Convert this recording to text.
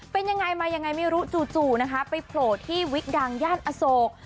เป็นยังไงมายังไงไม่รู้จู่นะคะไปโผล่ที่วิกดังย่านอโศก